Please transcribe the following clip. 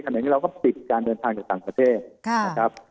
ขณะนี้เราก็ปิดการเดินทางจากต่างประเทศ